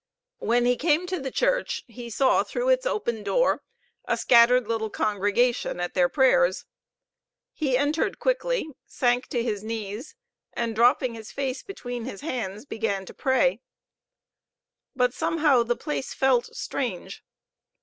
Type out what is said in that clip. When he came to the church, he saw through its open door a scattered little congregation at their prayers. He entered quickly, sank to his knees, and dropping his face between his hands began to pray. But somehow the place felt strange.